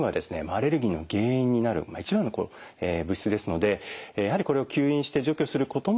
アレルギーの原因になる一番の物質ですのでやはりこれを吸引して除去することも重要かと思います。